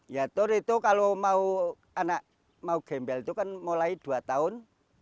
ya tur itu kalau mau anak mau gembel itu kan mulai dua tahun